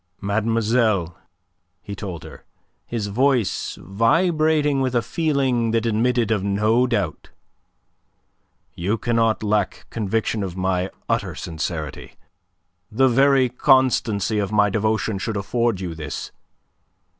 "Mademoiselle," he told her, his voice vibrating with a feeling that admitted of no doubt, "you cannot lack conviction of my utter sincerity. The very constancy of my devotion should afford you this.